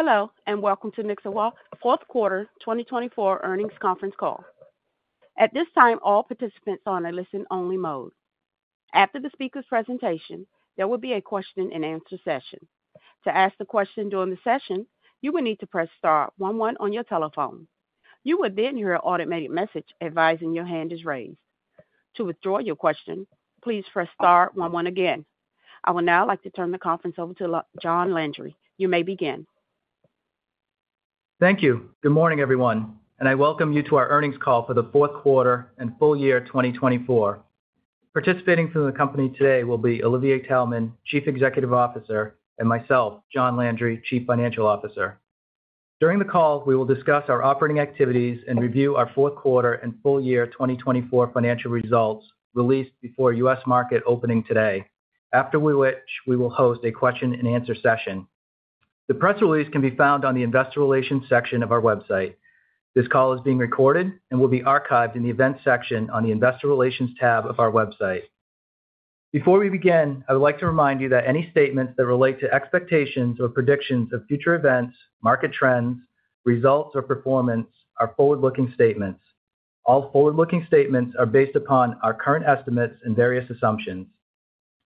Hello, and welcome to Nyxoah Fourth Quarter 2024 Earnings Conference Call. At this time, all participants are on a listen-only mode. After the speaker's presentation, there will be a question-and-answer session. To ask a question during the session, you will need to press Star 11 on your telephone. You will then hear an automated message advising your hand is raised. To withdraw your question, please press Star 11 again. I would now like to turn the conference over to John Landry. You may begin. Thank you. Good morning, everyone, and I welcome you to our earnings call for the fourth quarter and full year 2024. Participating from the company today will be Olivier Taelman, Chief Executive Officer, and myself, John Landry, Chief Financial Officer. During the call, we will discuss our operating activities and review our fourth quarter and full year 2024 financial results released before U.S. market opening today, after which we will host a question-and-answer session. The press release can be found on the Investor Relations section of our website. This call is being recorded and will be archived in the Events section on the Investor Relations tab of our website. Before we begin, I would like to remind you that any statements that relate to expectations or predictions of future events, market trends, results, or performance are forward-looking statements. All forward-looking statements are based upon our current estimates and various assumptions.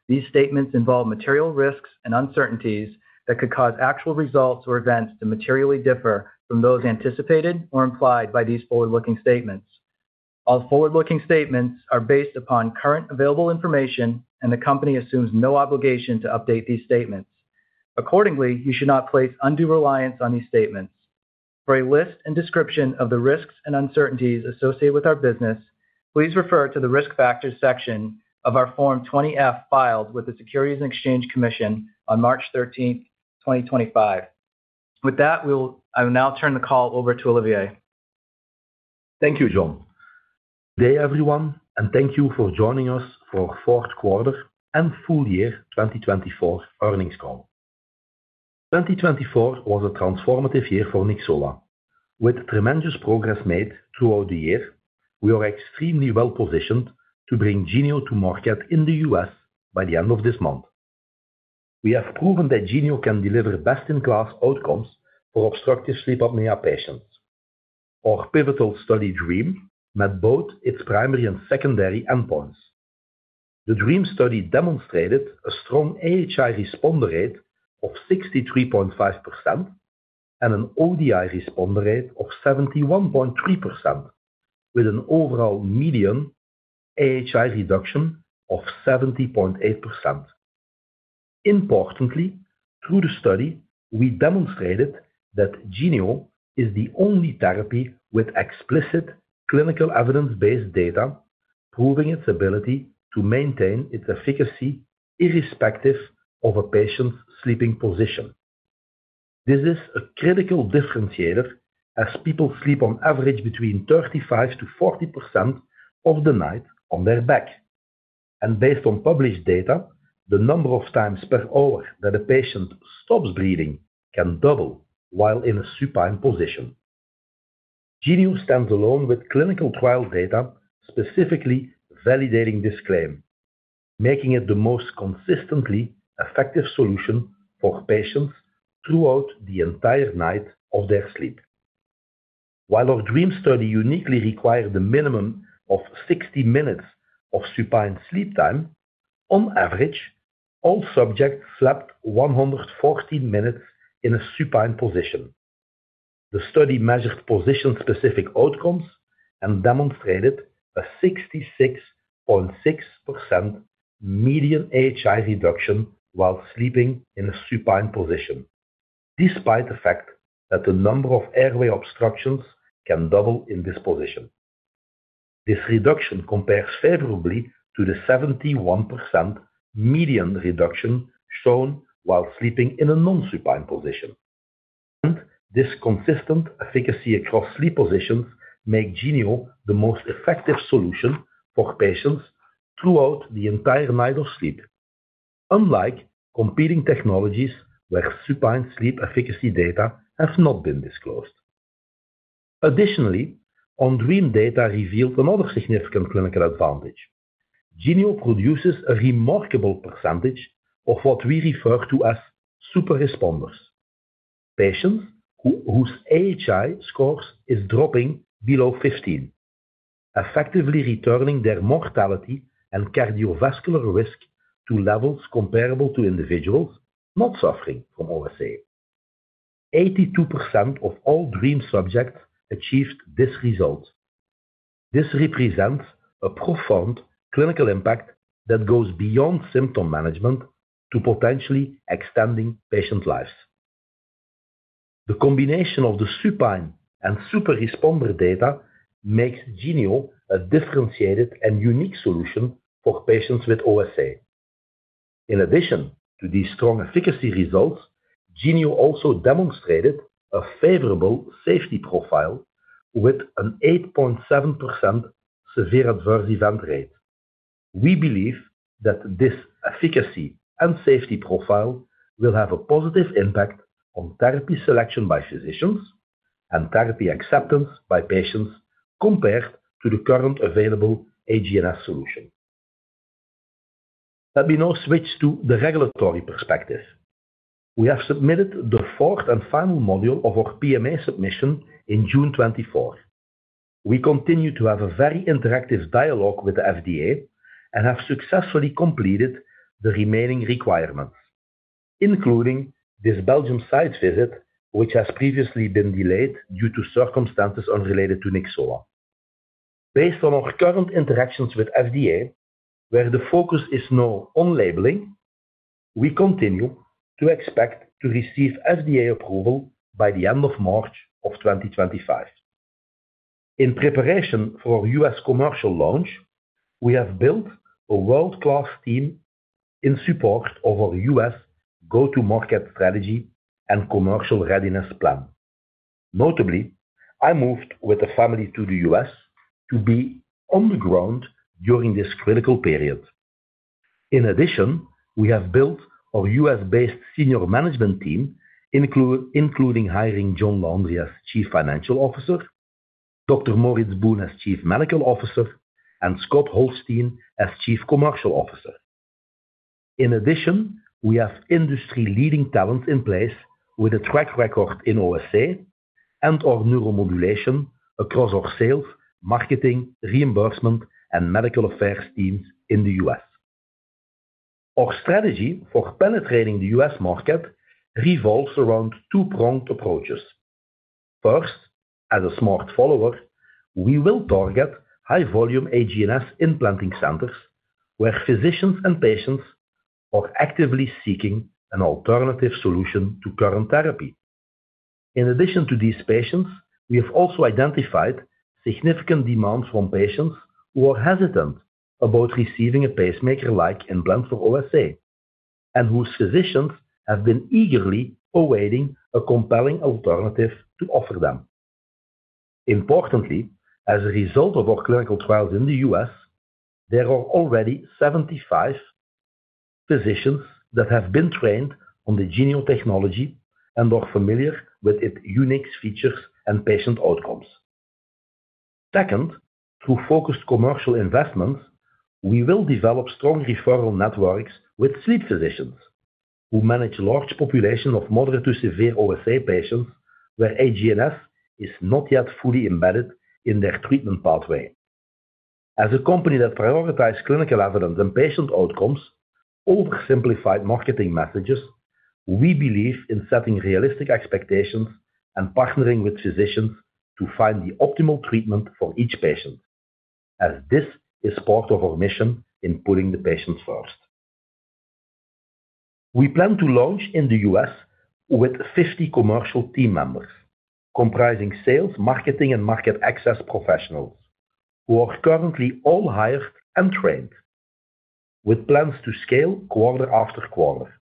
These statements involve material risks and uncertainties that could cause actual results or events to materially differ from those anticipated or implied by these forward-looking statements. All forward-looking statements are based upon current available information, and the company assumes no obligation to update these statements. Accordingly, you should not place undue reliance on these statements. For a list and description of the risks and uncertainties associated with our business, please refer to the Risk Factors section of our Form 20-F filed with the Securities and Exchange Commission on March 13, 2025. With that, I will now turn the call over to Olivier. Thank you, John. Good day, everyone, and thank you for joining us for fourth quarter and full year 2024 earnings call. 2024 was a transformative year for Nyxoah. With tremendous progress made throughout the year, we are extremely well-positioned to bring Genio to market in the U.S. by the end of this month. We have proven that Genio can deliver best-in-class outcomes for obstructive sleep apnea patients. Our pivotal study DREAM met both its primary and secondary endpoints. The DREAM study demonstrated a strong AHI responder rate of 63.5% and an ODI responder rate of 71.3%, with an overall median AHI reduction of 70.8%. Importantly, through the study, we demonstrated that Genio is the only therapy with explicit clinical evidence-based data proving its ability to maintain its efficacy irrespective of a patient's sleeping position. This is a critical differentiator as people sleep on average between 35% to 40% of the night on their back, and based on published data, the number of times per hour that a patient stops breathing can double while in a supine position. Genio stands alone with clinical trial data specifically validating this claim, making it the most consistently effective solution for patients throughout the entire night of their sleep. While our DREAM study uniquely required a minimum of 60 minutes of supine sleep time, on average, all subjects slept 114 minutes in a supine position. The study measured position-specific outcomes and demonstrated a 66.6% median AHI reduction while sleeping in a supine position, despite the fact that the number of airway obstructions can double in this position. This reduction compares favorably to the 71% median reduction shown while sleeping in a non-supine position. This consistent efficacy across sleep positions makes Genio the most effective solution for patients throughout the entire night of sleep, unlike competing technologies where supine sleep efficacy data have not been disclosed. Additionally, DREAM data revealed another significant clinical advantage. Genio produces a remarkable percentage of what we refer to as super-responders, patients whose AHI scores are dropping below 15, effectively returning their mortality and cardiovascular risk to levels comparable to individuals not suffering from OSA. 82% of all DREAM subjects achieved this result. This represents a profound clinical impact that goes beyond symptom management to potentially extending patient lives. The combination of the supine and super-responder data makes Genio a differentiated and unique solution for patients with OSA. In addition to these strong efficacy results, Genio also demonstrated a favorable safety profile with an 8.7% severe adverse event rate. We believe that this efficacy and safety profile will have a positive impact on therapy selection by physicians and therapy acceptance by patients compared to the current available HGNS solution. Let me now switch to the regulatory perspective. We have submitted the fourth and final module of our PMA submission in June 2024. We continue to have a very interactive dialogue with the FDA and have successfully completed the remaining requirements, including this Belgium site visit, which has previously been delayed due to circumstances unrelated to Nyxoah. Based on our current interactions with the FDA, where the focus is now on labeling, we continue to expect to receive FDA approval by the end of March 2025. In preparation for our U.S. commercial launch, we have built a world-class team in support of our U.S. go-to-market strategy and commercial readiness plan. Notably, I moved with the family to the U.S. to be on the ground during this critical period. In addition, we have built our U.S.-based senior management team, including hiring John Landry as Chief Financial Officer, Dr. Maurits Boon as Chief Medical Officer, and Scott Holstine as Chief Commercial Officer. In addition, we have industry-leading talent in place with a track record in OSA and our neuromodulation across our sales, marketing, reimbursement, and medical affairs teams in the U.S. Our strategy for penetrating the U.S. market revolves around two-pronged approaches. First, as a smart follower, we will target high-volume HGNS implanting centers where physicians and patients are actively seeking an alternative solution to current therapy. In addition to these patients, we have also identified significant demands from patients who are hesitant about receiving a pacemaker-like implant for OSA and whose physicians have been eagerly awaiting a compelling alternative to offer them. Importantly, as a result of our clinical trials in the U.S., there are already 75 physicians that have been trained on the Genio technology and are familiar with its unique features and patient outcomes. Second, through focused commercial investments, we will develop strong referral networks with sleep physicians who manage a large population of moderate to severe OSA patients where HGNS is not yet fully embedded in their treatment pathway. As a company that prioritizes clinical evidence and patient outcomes over simplified marketing messages, we believe in setting realistic expectations and partnering with physicians to find the optimal treatment for each patient, as this is part of our mission in putting the patients first. We plan to launch in the U.S. with 50 commercial team members comprising sales, marketing, and market access professionals who are currently all hired and trained, with plans to scale quarter after quarter.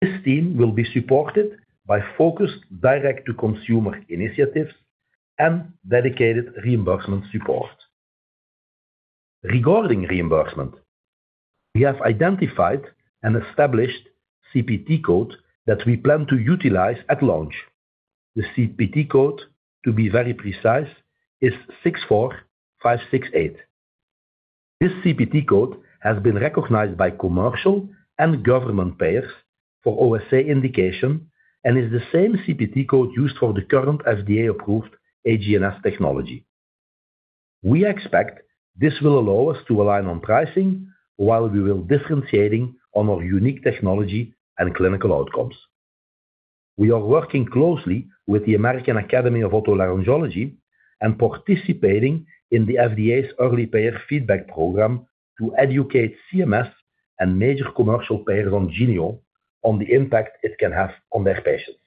This team will be supported by focused direct-to-consumer initiatives and dedicated reimbursement support. Regarding reimbursement, we have identified and established a CPT code that we plan to utilize at launch. The CPT code, to be very precise, is 64568. This CPT code has been recognized by commercial and government payers for OSA indication and is the same CPT code used for the current FDA-approved HGNS technology. We expect this will allow us to align on pricing while we will differentiate on our unique technology and clinical outcomes. We are working closely with the American Academy of Otolaryngology and participating in the FDA's Early Payer Feedback Program to educate CMS and major commercial payers on Genio on the impact it can have on their patients.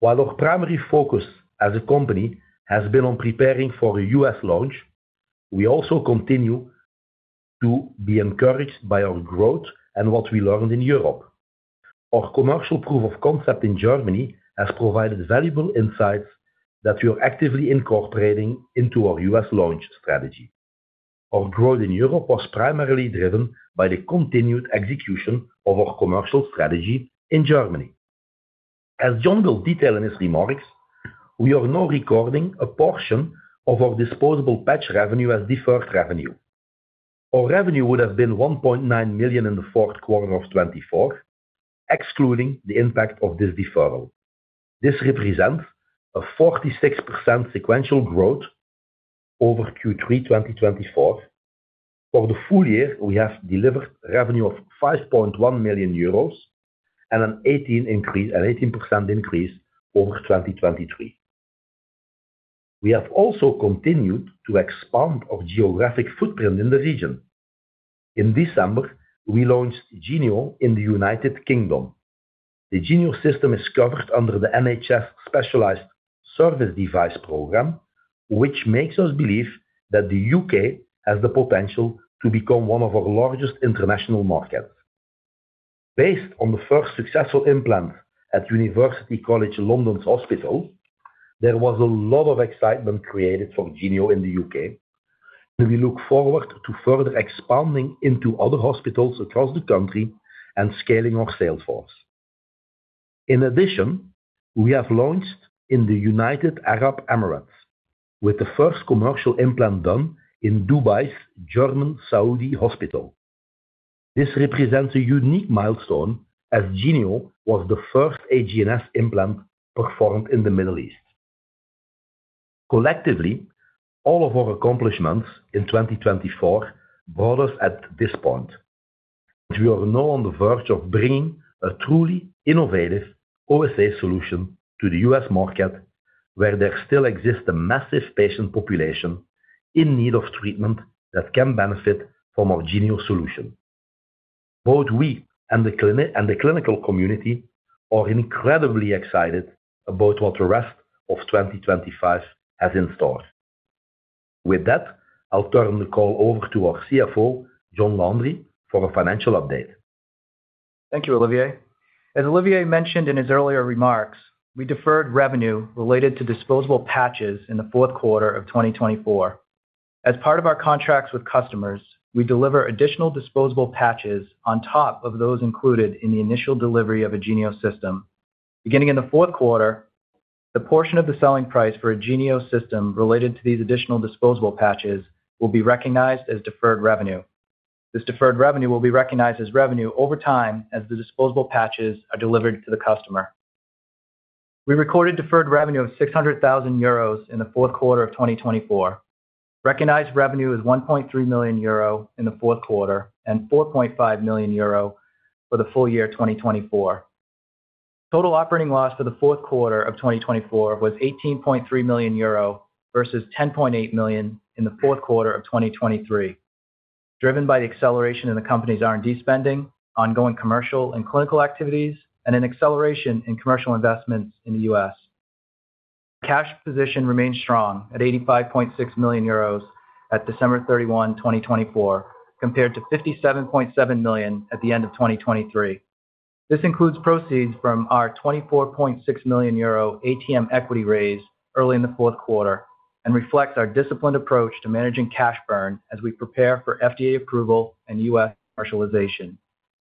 While our primary focus as a company has been on preparing for a U.S. launch, we also continue to be encouraged by our growth and what we learned in Europe. Our commercial proof of concept in Germany has provided valuable insights that we are actively incorporating into our U.S. launch strategy. Our growth in Europe was primarily driven by the continued execution of our commercial strategy in Germany. As John will detail in his remarks, we are now recording a portion of our disposable patch revenue as deferred revenue. Our revenue would have been 1.9 million in the fourth quarter of 2024, excluding the impact of this deferral. This represents a 46% sequential growth over Q3 2024. For the full year, we have delivered revenue of 5.1 million euros and an 18% increase over 2023. We have also continued to expand our geographic footprint in the region. In December, we launched Genio in the United Kingdom. The Genio system is covered under the NHS Specialised Services Devices Programme, which makes us believe that the U.K. has the potential to become one of our largest international markets. Based on the first successful implant at University College London's hospital, there was a lot of excitement created for Genio in the U.K., and we look forward to further expanding into other hospitals across the country and scaling our sales force. In addition, we have launched in the United Arab Emirates with the first commercial implant done in Dubai's German Neuroscience Center Hospital. This represents a unique milestone as Genio was the first HGNS implant performed in the Middle East. Collectively, all of our accomplishments in 2024 brought us at this point, and we are now on the verge of bringing a truly innovative OSA solution to the U.S. market where there still exists a massive patient population in need of treatment that can benefit from our Genio solution. Both we and the clinical community are incredibly excited about what the rest of 2025 has in store. With that, I'll turn the call over to our CFO, John Landry, for a financial update. Thank you, Olivier. As Olivier mentioned in his earlier remarks, we deferred revenue related to disposable patches in the fourth quarter of 2024. As part of our contracts with customers, we deliver additional disposable patches on top of those included in the initial delivery of a Genio system. Beginning in the fourth quarter, the portion of the selling price for a Genio system related to these additional disposable patches will be recognized as deferred revenue. This deferred revenue will be recognized as revenue over time as the disposable patches are delivered to the customer. We recorded deferred revenue of 600,000 euros in the fourth quarter of 2024. Recognized revenue is 1.3 million euro in the fourth quarter and 4.5 million euro for the full year 2024. Total operating loss for the fourth quarter of 2024 was 18.3 million euro versus 10.8 million in the fourth quarter of 2023, driven by the acceleration in the company's R&D spending, ongoing commercial and clinical activities, and an acceleration in commercial investments in the U.S. Cash position remained strong at 85.6 million euros at December 31, 2024, compared to 57.7 million at the end of 2023. This includes proceeds from our 24.6 million euro ATM equity raise early in the fourth quarter and reflects our disciplined approach to managing cash burn as we prepare for FDA approval and U.S. commercialization.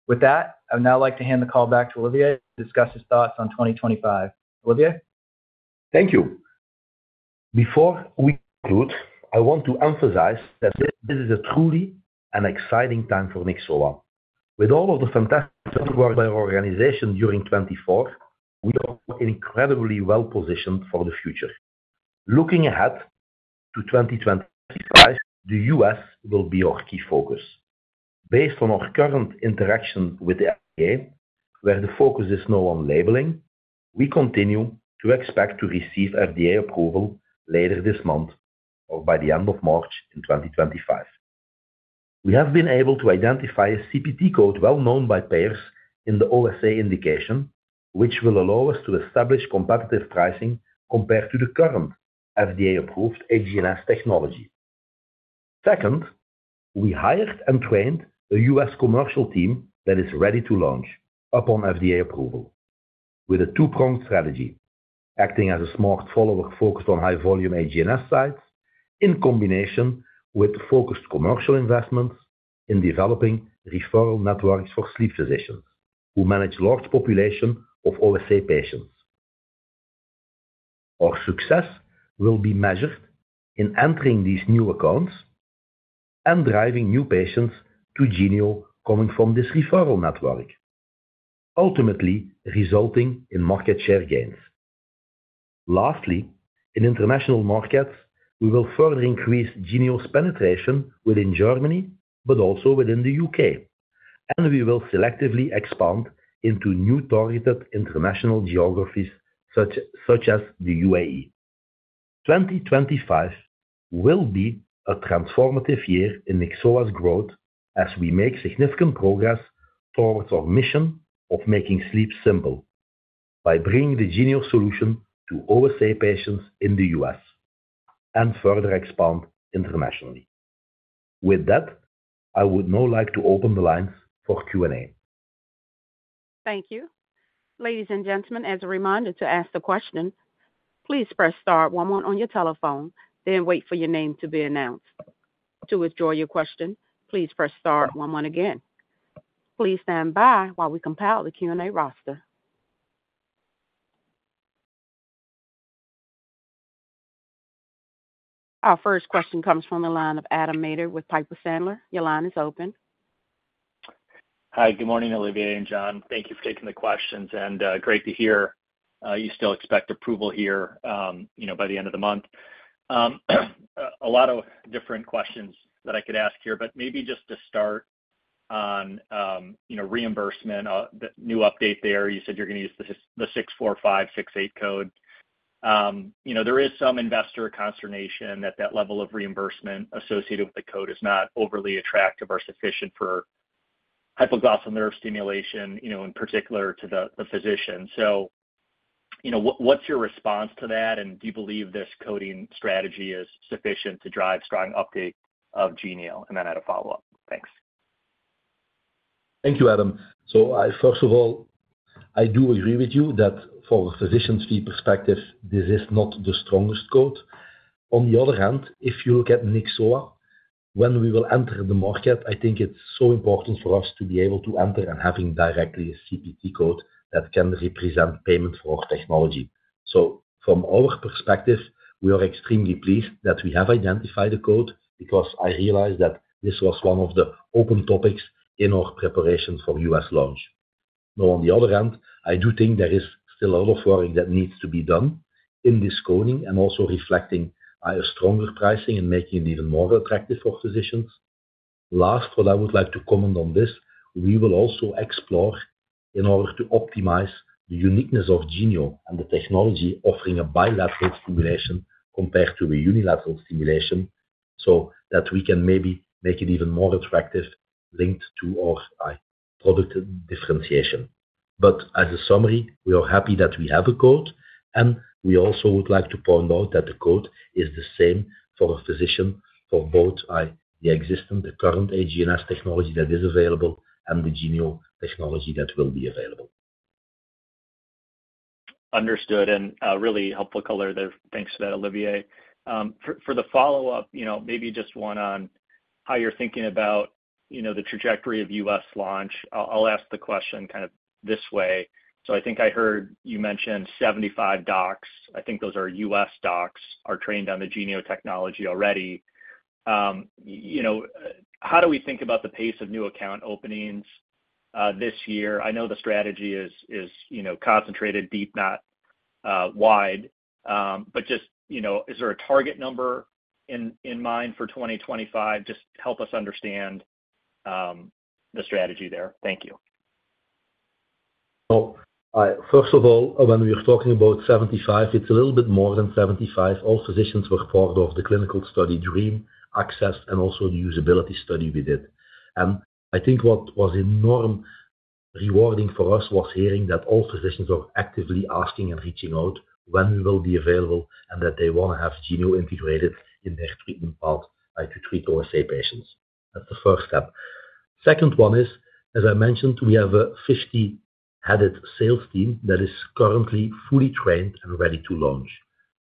With that, I would now like to hand the call back to Olivier to discuss his thoughts on 2025. Olivier? Thank you. Before we conclude, I want to emphasize that this is truly an exciting time for Nyxoah. With all of the fantastic work by our organization during 2024, we are incredibly well-positioned for the future. Looking ahead to 2025, the U.S. will be our key focus. Based on our current interaction with the FDA, where the focus is now on labeling, we continue to expect to receive FDA approval later this month or by the end of March in 2025. We have been able to identify a CPT code well known by payers in the OSA indication, which will allow us to establish competitive pricing compared to the current FDA-approved HGNS technology. Second, we hired and trained a U.S. commercial team that is ready to launch upon FDA approval with a two-pronged strategy, acting as a smart follower focused on high-volume HGNS sites in combination with focused commercial investments in developing referral networks for sleep physicians who manage a large population of OSA patients. Our success will be measured in entering these new accounts and driving new patients to Genio coming from this referral network, ultimately resulting in market share gains. Lastly, in international markets, we will further increase Genio's penetration within Germany, but also within the U.K., and we will selectively expand into new targeted international geographies such as the UAE. 2025 will be a transformative year in Nyxoah's growth as we make significant progress towards our mission of making sleep simple by bringing the Genio solution to OSA patients in the U.S. and further expand internationally. With that, I would now like to open the lines for Q&A. Thank you. Ladies and gentlemen, as a reminder to ask the question, please press star 11 on your telephone, then wait for your name to be announced. To withdraw your question, please press star 11 again. Please stand by while we compile the Q&A roster. Our first question comes from the line of Adam Maeder with Piper Sandler. Your line is open. Hi, good morning, Olivier and John. Thank you for taking the questions, and great to hear you still expect approval here by the end of the month. A lot of different questions that I could ask here, but maybe just to start on reimbursement, the new update there, you said you're going to use the 64568 code. There is some investor consternation that that level of reimbursement associated with the code is not overly attractive or sufficient for hypoglossal nerve stimulation, in particular to the physician. What is your response to that, and do you believe this coding strategy is sufficient to drive strong uptake of Genio? I had a follow-up. Thanks. Thank you, Adam. First of all, I do agree with you that from a physician's perspective, this is not the strongest code. On the other hand, if you look at Nyxoah, when we will enter the market, I think it's so important for us to be able to enter and have directly a CPT code that can represent payment for our technology. From our perspective, we are extremely pleased that we have identified a code because I realized that this was one of the open topics in our preparation for U.S. launch. On the other hand, I do think there is still a lot of work that needs to be done in this coding and also reflecting a stronger pricing and making it even more attractive for physicians. Last, what I would like to comment on this, we will also explore in order to optimize the uniqueness of Genio and the technology offering a bilateral stimulation compared to a unilateral stimulation so that we can maybe make it even more attractive linked to our product differentiation. As a summary, we are happy that we have a code, and we also would like to point out that the code is the same for a physician for both the existing, the current HGNS technology that is available and the Genio technology that will be available. Understood. Really helpful color there. Thanks for that, Olivier. For the follow-up, maybe just one on how you're thinking about the trajectory of U.S. launch. I'll ask the question kind of this way. I think I heard you mention 75 docs. I think those are U.S. docs trained on the Genio technology already. How do we think about the pace of new account openings this year? I know the strategy is concentrated deep, not wide, but just is there a target number in mind for 2025? Just help us understand the strategy there. Thank you. First of all, when we are talking about 75, it's a little bit more than 75. All physicians were part of the clinical study DREAM, ACCESS, and also the usability study we did. I think what was enormously rewarding for us was hearing that all physicians are actively asking and reaching out when we will be available and that they want to have Genio integrated in their treatment path to treat OSA patients. That's the first step. The second one is, as I mentioned, we have a 50-headed sales team that is currently fully trained and ready to launch.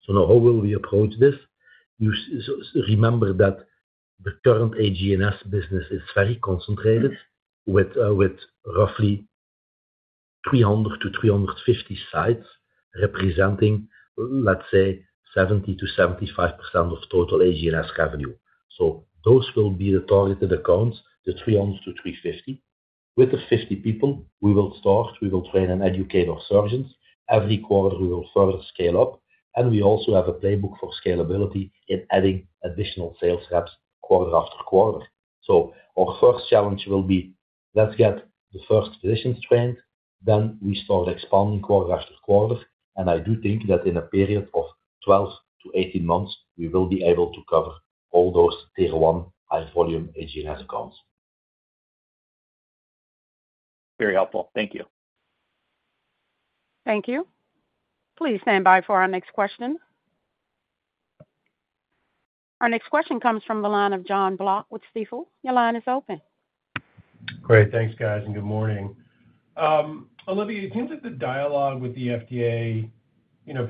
Now, how will we approach this? You remember that the current HGNS business is very concentrated with roughly 300-350 sites representing, let's say, 70-75% of total HGNS revenue. Those will be the targeted accounts, the 300-350. With the 50 people, we will start, we will train and educate our surgeons. Every quarter, we will further scale up, and we also have a playbook for scalability in adding additional sales reps quarter after quarter. Our first challenge will be let's get the first physicians trained, then we start expanding quarter after quarter, and I do think that in a period of 12 to 18 months, we will be able to cover all those tier one high-volume HGNS accounts. Very helpful. Thank you. Thank you. Please stand by for our next question. Our next question comes from the line of John Block with Stifel. Your line is open. Great. Thanks, guys, and good morning. Olivier, it seems like the dialogue with the FDA,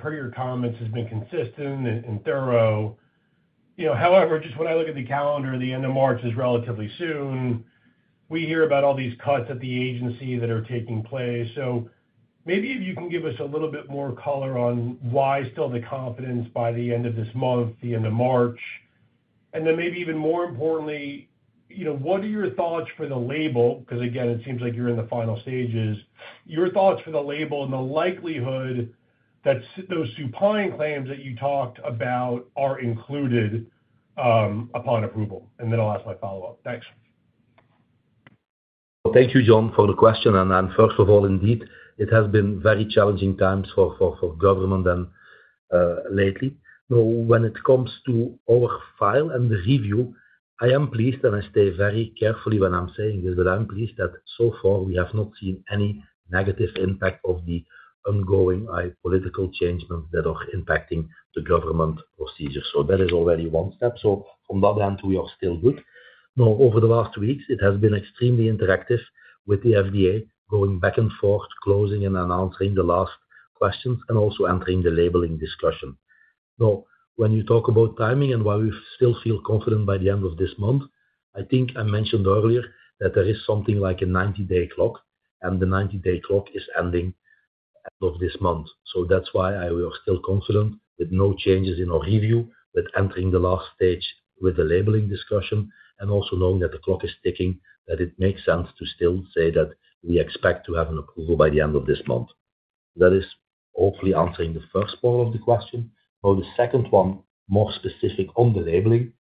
per your comments, has been consistent and thorough. However, just when I look at the calendar, the end of March is relatively soon. We hear about all these cuts at the agency that are taking place. Maybe if you can give us a little bit more color on why still the confidence by the end of this month, the end of March, and then maybe even more importantly, what are your thoughts for the label? Because again, it seems like you're in the final stages. Your thoughts for the label and the likelihood that those supine claims that you talked about are included upon approval? I'll ask my follow-up. Thanks. Thank you, John, for the question. First of all, indeed, it has been very challenging times for government lately. Now, when it comes to our file and the review, I am pleased, and I say very carefully when I'm saying this, but I'm pleased that so far we have not seen any negative impact of the ongoing political changes that are impacting the government procedure. That is already one step. From that end, we are still good. Over the last weeks, it has been extremely interactive with the FDA, going back and forth, closing and answering the last questions, and also entering the labeling discussion. Now, when you talk about timing and why we still feel confident by the end of this month, I think I mentioned earlier that there is something like a 90-day clock, and the 90-day clock is ending at the end of this month. That is why we are still confident with no changes in our review, with entering the last stage with the labeling discussion, and also knowing that the clock is ticking, that it makes sense to still say that we expect to have an approval by the end of this month. That is hopefully answering the first part of the question. Now, the second one, more specific on the labeling,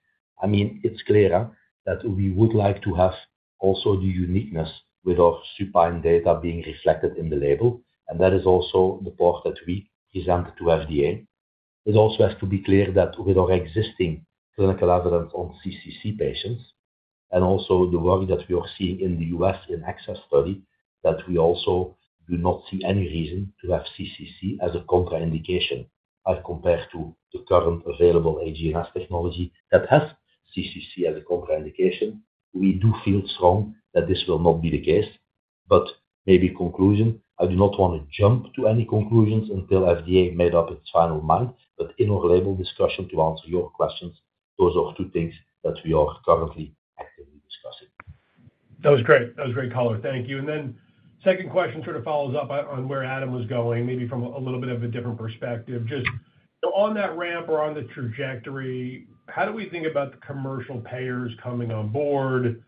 I mean, it is clear that we would like to have also the uniqueness with our supine data being reflected in the label, and that is also the part that we presented to FDA. It also has to be clear that with our existing clinical evidence on CCC patients and also the work that we are seeing in the U.S. in ACCESS study, that we also do not see any reason to have CCC as a contraindication as compared to the current available HGNS technology that has CCC as a contraindication. We do feel strong that this will not be the case. In conclusion, I do not want to jump to any conclusions until FDA made up its final mind, but in our label discussion to answer your questions, those are two things that we are currently actively discussing. That was great. That was great color. Thank you. The second question sort of follows up on where Adam was going, maybe from a little bit of a different perspective. Just on that ramp or on the trajectory, how do we think about the commercial payers coming on board?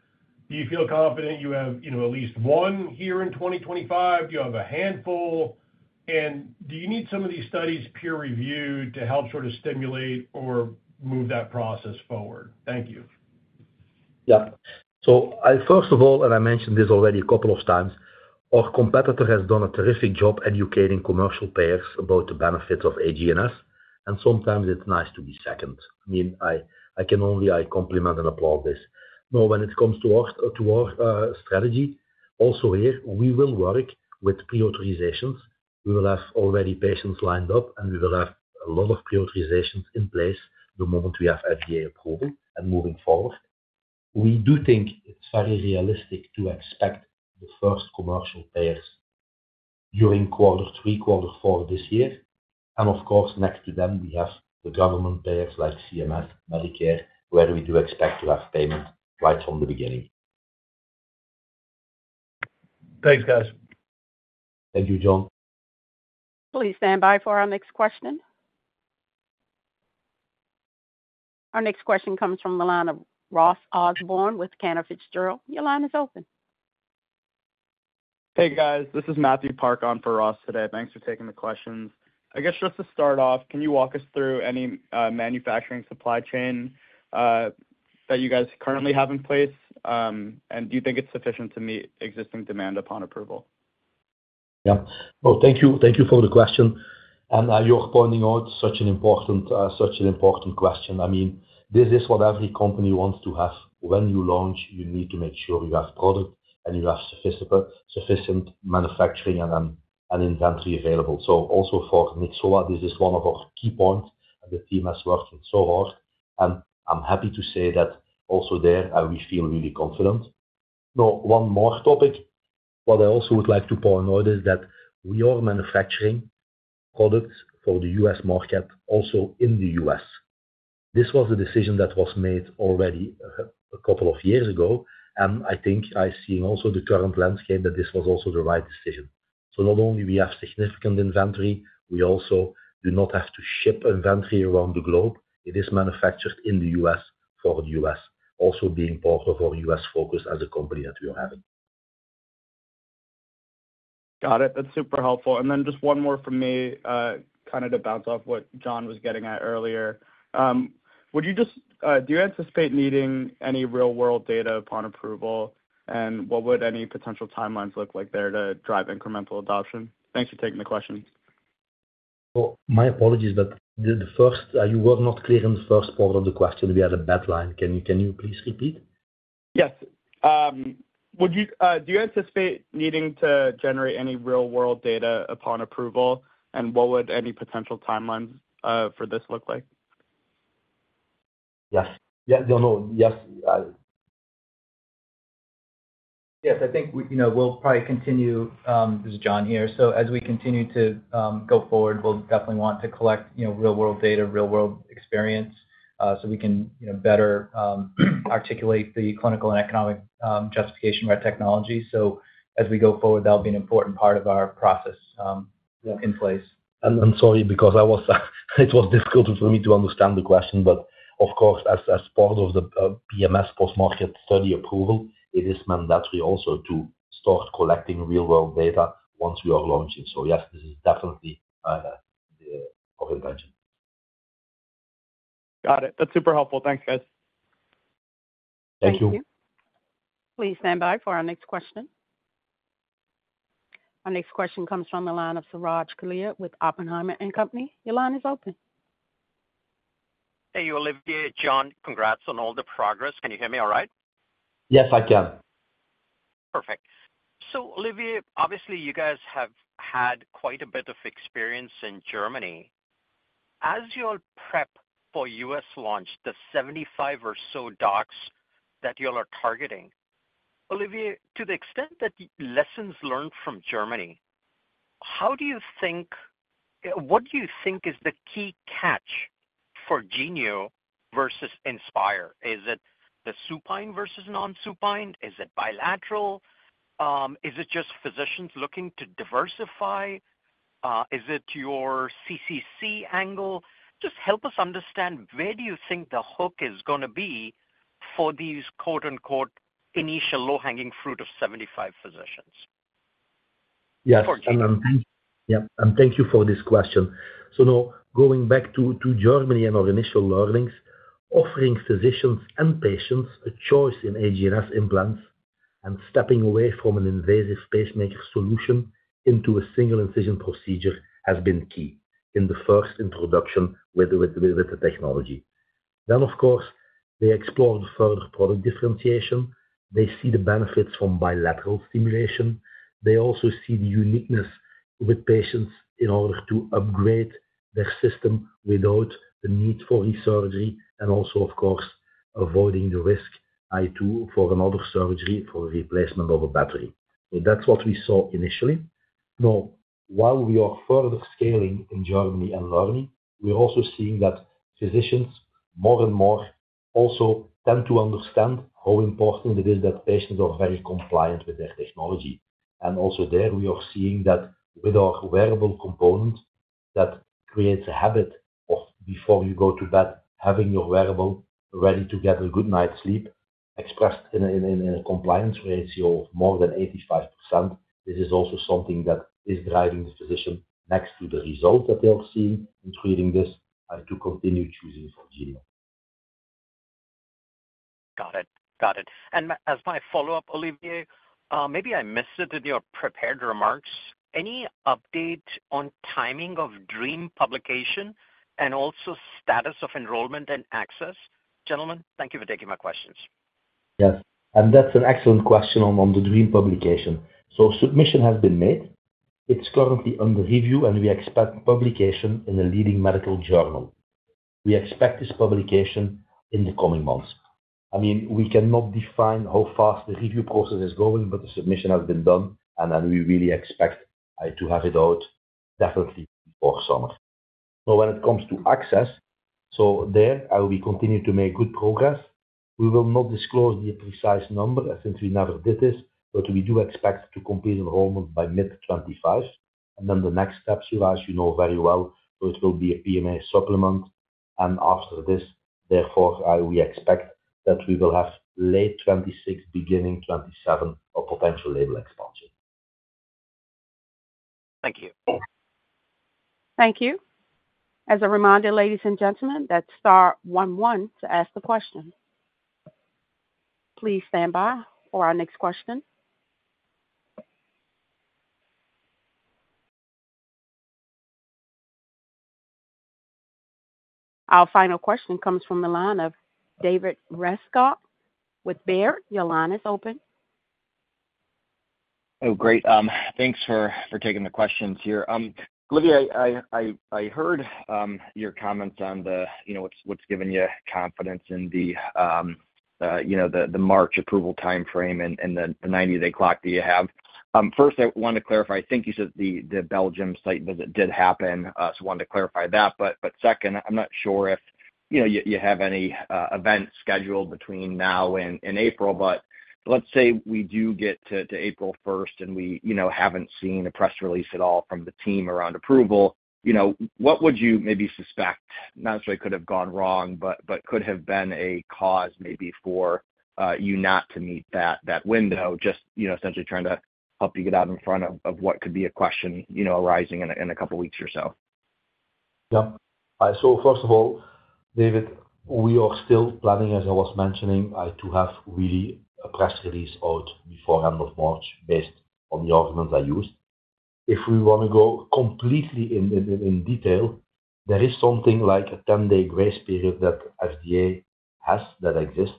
Do you feel confident you have at least one here in 2025? Do you have a handful? Do you need some of these studies peer-reviewed to help sort of stimulate or move that process forward? Thank you. Yeah. First of all, and I mentioned this already a couple of times, our competitor has done a terrific job educating commercial payers about the benefits of HGNS, and sometimes it's nice to be second. I mean, I can only compliment and applaud this. Now, when it comes to our strategy, also here, we will work with pre-authorizations. We will have already patients lined up, and we will have a lot of pre-authorizations in place the moment we have FDA approval and moving forward. We do think it's very realistic to expect the first commercial payers during quarter three, quarter four this year. Of course, next to them, we have the government payers like CMS, Medicare, where we do expect to have payment right from the beginning. Thanks, guys. Thank you, John. Please stand by for our next question. Our next question comes from the line of Ross Osborn with Cantor Fitzgerald. Your line is open. Hey, guys. This is Matthew Park on for Ross today. Thanks for taking the questions. I guess just to start off, can you walk us through any manufacturing supply chain that you guys currently have in place? Do you think it's sufficient to meet existing demand upon approval? Thank you for the question. You are pointing out such an important question. I mean, this is what every company wants to have. When you launch, you need to make sure you have product and you have sufficient manufacturing and inventory available. Also for Nyxoah, this is one of our key points that the team has worked so hard. I am happy to say that also there, we feel really confident. Now, one more topic. What I also would like to point out is that we are manufacturing products for the U.S. market also in the U.S. This was a decision that was made already a couple of years ago, and I think I see also the current landscape that this was also the right decision. Not only do we have significant inventory, we also do not have to ship inventory around the globe. It is manufactured in the U.S. for the U.S., also being part of our U.S. focus as a company that we are having. Got it. That's super helpful. Just one more from me, kind of to bounce off what John was getting at earlier. Would you just do you anticipate needing any real-world data upon approval? What would any potential timelines look like there to drive incremental adoption? Thanks for taking the question. My apologies, but you were not clear in the first part of the question. We had a bad line. Can you please repeat? Yes. Do you anticipate needing to generate any real-world data upon approval? What would any potential timelines for this look like? Yes. Yeah. No. No. Yes. Yes. I think we'll probably continue. This is John here. As we continue to go forward, we'll definitely want to collect real-world data, real-world experience so we can better articulate the clinical and economic justification for our technology. As we go forward, that'll be an important part of our process in place. I'm sorry because it was difficult for me to understand the question, but of course, as part of the PMS post-market study approval, it is mandatory also to start collecting real-world data once we are launching. Yes, this is definitely our intention. Got it. That's super helpful. Thanks, guys. Thank you. Thank you. Please stand by for our next question. Our next question comes from the line of Suraj Kalia with Oppenheimer & Company. Your line is open. Hey, Olivier, John, congrats on all the progress. Can you hear me all right? Yes, I can. Perfect. Olivier, obviously, you guys have had quite a bit of experience in Germany. As you all prep for U.S. launch, the 75 or so docs that you all are targeting, Olivier, to the extent that lessons learned from Germany, how do you think, what do you think is the key catch for Genio versus Inspire? Is it the supine versus non-supine? Is it bilateral? Is it just physicians looking to diversify? Is it your CCC angle? Just help us understand where do you think the hook is going to be for these quote-unquote initial low-hanging fruit of 75 physicians? Yes. Thank you for this question. Now, going back to Germany and our initial learnings, offering physicians and patients a choice in HGNS implants and stepping away from an invasive pacemaker solution into a single incision procedure has been key in the first introduction with the technology. Of course, they explored further product differentiation. They see the benefits from bilateral stimulation. They also see the uniqueness with patients in order to upgrade their system without the need for resurgery and also, of course, avoiding the risk for another surgery for replacement of a battery. That is what we saw initially. Now, while we are further scaling in Germany and learning, we are also seeing that physicians more and more also tend to understand how important it is that patients are very compliant with their technology. We are also seeing that with our wearable component that creates a habit of before you go to bed having your wearable ready to get a good night's sleep, expressed in a compliance ratio of more than 85%. This is also something that is driving the physician next to the result that they're seeing in treating this to continue choosing for Genio. Got it. Got it. As my follow-up, Olivier, maybe I missed it in your prepared remarks. Any update on timing of DREAM publication and also status of enrollment and ACCESS? Gentlemen, thank you for taking my questions. Yes. That's an excellent question on the DREAM publication. Submission has been made. It's currently under review, and we expect publication in a leading medical journal. We expect this publication in the coming months. I mean, we cannot define how fast the review process is going, but the submission has been done, and we really expect to have it out definitely before summer. Now, when it comes to ACCESS, we continue to make good progress. We will not disclose the precise number since we never did this, but we do expect to complete enrollment by mid-2025. The next step, Suraj, you know very well, it will be a PMA supplement. After this, therefore, we expect that we will have late 2026, beginning 2027 of potential label expansion. Thank you. Thank you. As a reminder, ladies and gentlemen, that is star 11 to ask the question. Please stand by for our next question. Our final question comes from the line of David Rescott with Baird. Your line is open. Oh, great. Thanks for taking the questions here. Olivier, I heard your comments on what's given you confidence in the March approval timeframe and the 90-day clock that you have. First, I want to clarify. I think you said the Belgium site visit did happen, so I wanted to clarify that. Second, I'm not sure if you have any events scheduled between now and April, but let's say we do get to April 1 and we haven't seen a press release at all from the team around approval. What would you maybe suspect not necessarily could have gone wrong, but could have been a cause maybe for you not to meet that window, just essentially trying to help you get out in front of what could be a question arising in a couple of weeks or so? Yeah. First of all, David, we are still planning, as I was mentioning, to have really a press release out before the end of March based on the arguments I used. If we want to go completely in detail, there is something like a 10-day grace period that FDA has that exists.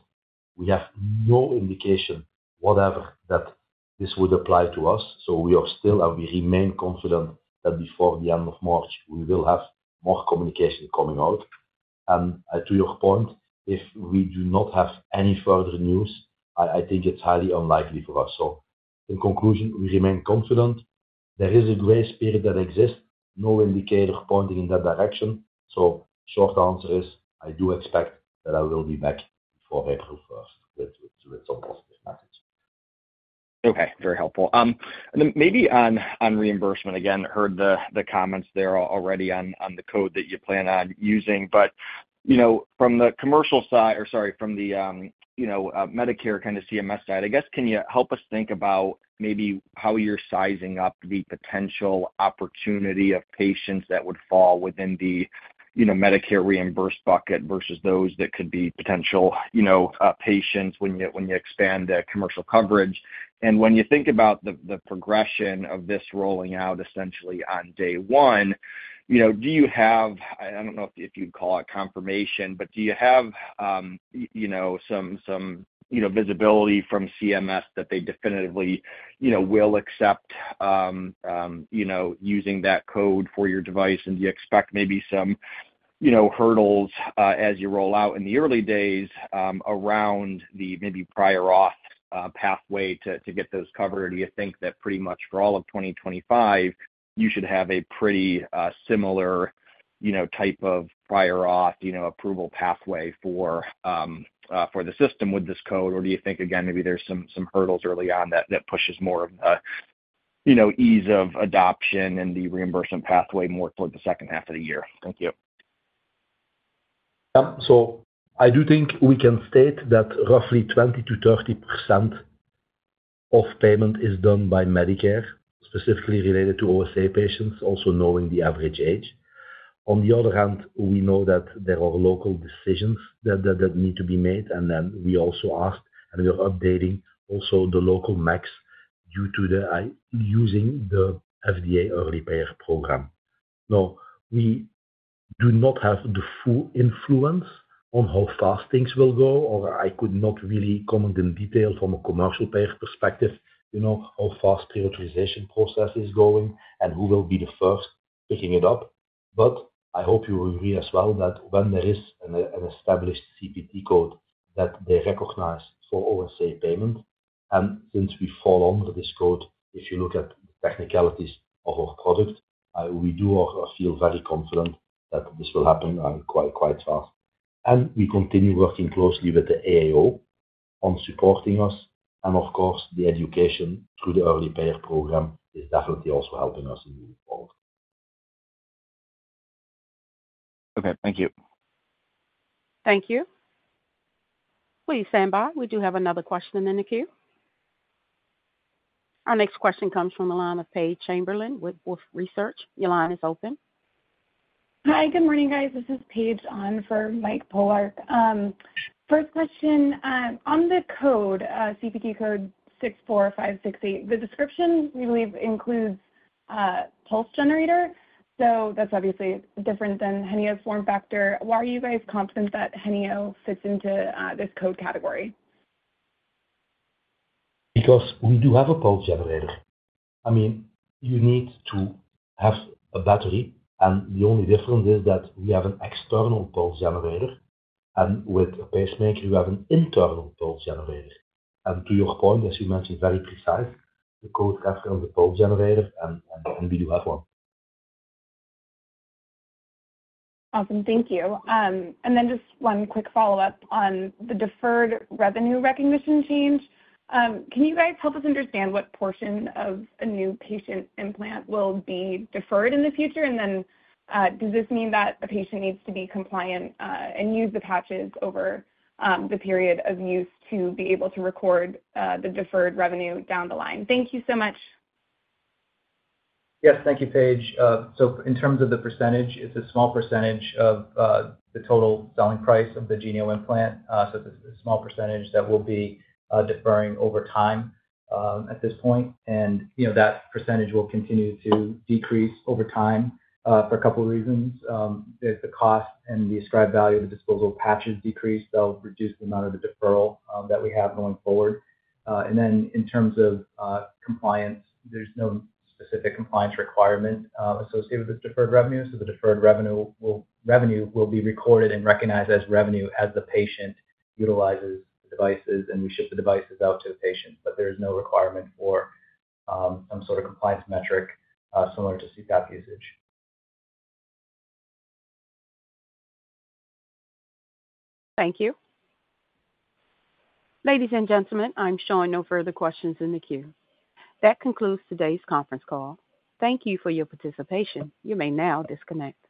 We have no indication, whatever, that this would apply to us. We are still, and we remain confident that before the end of March, we will have more communication coming out. To your point, if we do not have any further news, I think it's highly unlikely for us. In conclusion, we remain confident. There is a grace period that exists. No indicator pointing in that direction. Short answer is I do expect that I will be back before April 1 with some positive message. Okay. Very helpful. Then maybe on reimbursement, again, heard the comments there already on the code that you plan on using. From the commercial side or sorry, from the Medicare kind of CMS side, I guess, can you help us think about maybe how you're sizing up the potential opportunity of patients that would fall within the Medicare reimbursed bucket versus those that could be potential patients when you expand commercial coverage? When you think about the progression of this rolling out essentially on day one, do you have—I do not know if you'd call it confirmation—but do you have some visibility from CMS that they definitively will accept using that code for your device? Do you expect maybe some hurdles as you roll out in the early days around the maybe prior auth pathway to get those covered? Do you think that pretty much for all of 2025, you should have a pretty similar type of prior auth approval pathway for the system with this code? Or do you think, again, maybe there's some hurdles early on that pushes more of the ease of adoption and the reimbursement pathway more toward the second half of the year? Thank you. Yeah. I do think we can state that roughly 20%-30% of payment is done by Medicare, specifically related to OSA patients, also knowing the average age. On the other hand, we know that there are local decisions that need to be made. We also asked, and we are updating also the local MACs due to using the FDA early payer program. Now, we do not have the full influence on how fast things will go, or I could not really comment in detail from a commercial payer perspective how fast prioritization process is going and who will be the first picking it up. I hope you will agree as well that when there is an established CPT code that they recognize for OSA payment. Since we fall under this code, if you look at the technicalities of our product, we do feel very confident that this will happen quite fast. We continue working closely with the AAO on supporting us. Of course, the education through the early payer program is definitely also helping us in moving forward. Okay. Thank you. Thank you. Please stand by. We do have another question in the queue. Our next question comes from the line of Paige Chamberlain with Wolfe Research. Your line is open. Hi. Good morning, guys. This is Paige on for Mike Polark. First question. On the CPT code 64568, the description we believe includes pulse generator. So that's obviously different than Genio's form factor. Why are you guys confident that Genio fits into this code category? Because we do have a pulse generator. I mean, you need to have a battery. The only difference is that we have an external pulse generator. With a pacemaker, you have an internal pulse generator. To your point, as you mentioned, very precise, the code references the pulse generator, and we do have one. Awesome. Thank you. Just one quick follow-up on the deferred revenue recognition change. Can you guys help us understand what portion of a new patient implant will be deferred in the future? Does this mean that a patient needs to be compliant and use the patches over the period of use to be able to record the deferred revenue down the line? Thank you so much. Yes. Thank you, Paige. In terms of the %, it's a small % of the total selling price of the Genio implant. It's a small % that will be deferring over time at this point. That % will continue to decrease over time for a couple of reasons. If the cost and the ascribed value of the disposal patches decrease, they'll reduce the amount of the deferral that we have going forward. In terms of compliance, there's no specific compliance requirement associated with the deferred revenue. The deferred revenue will be recorded and recognized as revenue as the patient utilizes the devices, and we ship the devices out to the patient. There is no requirement for some sort of compliance metric similar to CPAP usage. Thank you. Ladies and gentlemen, I'm showing no further questions in the queue. That concludes today's conference call. Thank you for your participation. You may now disconnect.